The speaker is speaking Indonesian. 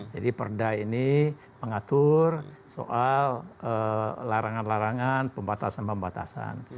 jadi perda ini mengatur soal larangan larangan pembatasan pembatasan